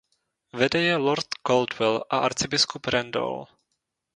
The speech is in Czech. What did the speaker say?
Vede je lord Caldwell a arcibiskup Randall.